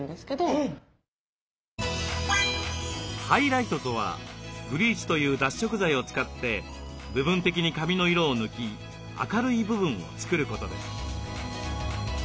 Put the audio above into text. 「ハイライト」とはブリーチという脱色剤を使って部分的に髪の色を抜き明るい部分を作ることです。